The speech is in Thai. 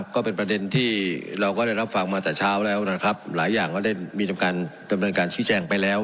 ก็เป็นประเด็นที่เราก็ได้รับฟังมาแต่เช้าแล้วนะครับหลายอย่างก็ได้มีการดำเนินการชี้แจงไปแล้ว